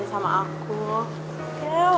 kalo kamu udah perhatian sama aku